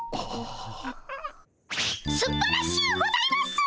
すばらしゅうございます！